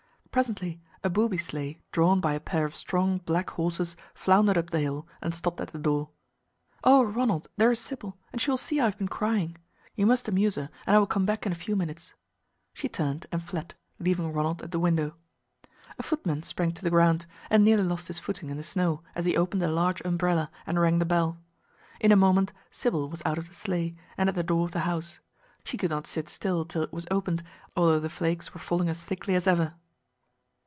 Presently a booby sleigh drawn by a pair of strong black horses floundered up the hill and stopped at the door. "Oh, Ronald, there is Sybil, and she will see I have been crying. You must amuse her, and I will come back in a few minutes." She turned and fled, leaving Ronald at the window. A footman sprang to the ground, and nearly lost his footing in the snow as he opened a large umbrella and rang the bell. In a moment Sybil was out of the sleigh and at the door of the house; she could not sit still till it was opened, although the flakes were falling as thickly as ever.